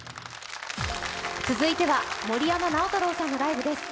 続いては、森山直太朗さんのライブです。